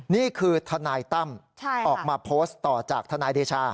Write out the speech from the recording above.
นี่คือทนายตั้มออกมาโพสต์ต่อจากทนายเดชา